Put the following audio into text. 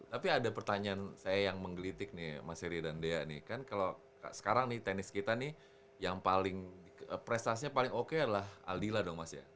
tapi ada pertanyaan saya yang menggelitik nih mas heri dan dea nih kan kalau sekarang nih tenis kita nih yang paling prestasinya paling oke adalah aldila dong mas ya